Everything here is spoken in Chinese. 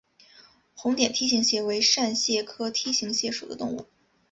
红点梯形蟹为扇蟹科梯形蟹属的动物。